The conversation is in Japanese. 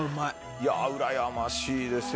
いやうらやましいですよ。